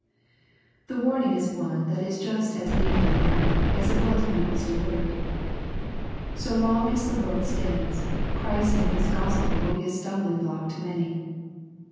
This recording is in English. '* The warning is oae that is just as needful now as it was when it was delivered. So long as the world stands, Christ and His Gospel will be a stumbling block to many.